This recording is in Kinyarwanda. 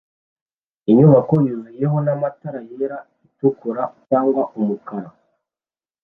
Inyubako yuzuyehona matara yera itukura & umukara